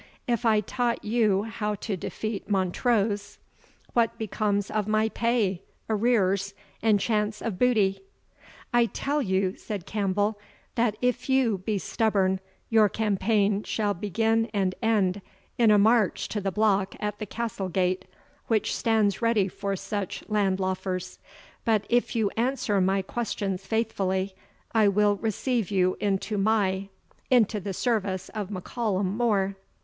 If I taught you how to defeat Montrose, what becomes of my pay, arrears, and chance of booty?" "I tell you," said Campbell, "that if you be stubborn, your campaign shall begin and end in a march to the block at the castle gate, which stands ready for such land laufers; but if you answer my questions faithfully, I will receive you into my into the service of M'Callum More."